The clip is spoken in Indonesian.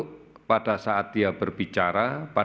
kpada tamil punya seperti yang biasa